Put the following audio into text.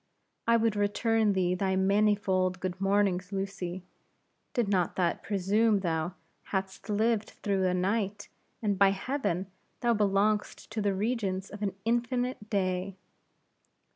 "I would return thee thy manifold good mornings, Lucy, did not that presume thou had'st lived through a night; and by Heaven, thou belong'st to the regions of an infinite day!"